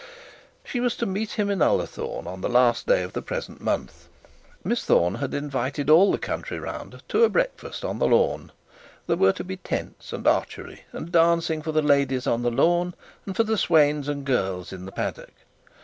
She was to meet him at Ullathorne on the last day of the present month. Miss Thorne had invited all the country round to a breakfast on the lawn. There were to be tents and archery, and dancing for the ladies on the lawn, and for the swains and girls in the paddock.